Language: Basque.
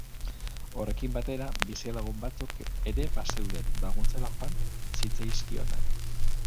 Horrekin batera, bizilagun batzuk ere bazeuden, laguntzera joan zitzaizkionak.